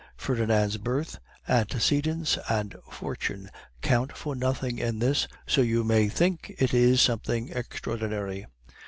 Ferdinand's birth, antecedents, and fortune count for nothing in this, so you may think it is something extraordinary.